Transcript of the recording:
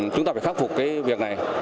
chúng ta phải khắc phục cái việc này